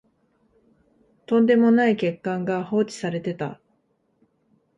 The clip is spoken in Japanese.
とんでもない欠陥が放置されてた